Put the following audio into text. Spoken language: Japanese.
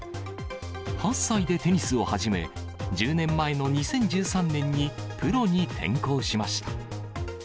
８歳でテニスを始め、１０年前の２０１３年にプロに転向しました。